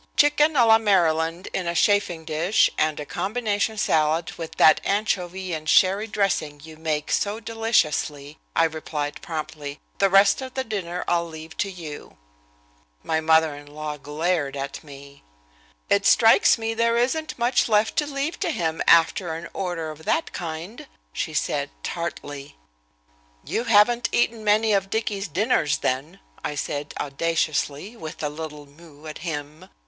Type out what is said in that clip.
"Chicken a la Maryland in a chafing dish and a combination salad with that anchovy and sherry dressing you make so deliciously," I replied promptly. "The rest of the dinner I'll leave to you." My mother in law glared at me. "It strikes me there isn't much left to leave to him after an order of that kind," she said, tartly. "You haven't eaten many of Dicky's dinners then," I said audaciously, with a little moue at him.